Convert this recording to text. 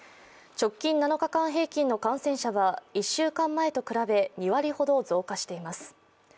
直近７日間平均の感染者は１週間前と比べ２割ほど増加しています。